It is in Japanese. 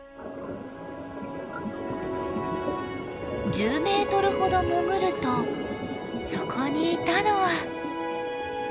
１０メートルほど潜るとそこにいたのは。